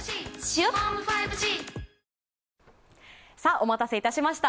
お待たせいたしました。